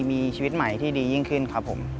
มีชีวิตใหม่ที่ดียิ่งขึ้นครับผม